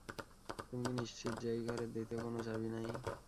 তুমি কি নিশ্চিত যে এই ঘরের দ্বিতীয় কোনো চাবি নেই?